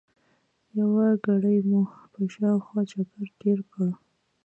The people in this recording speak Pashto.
یوه ګړۍ مو په شاوخوا چکر تېره کړه.